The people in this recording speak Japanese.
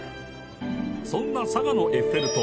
そんな佐賀のエッフェル塔